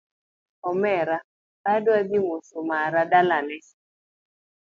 Omera adwa dhi moso mara dalane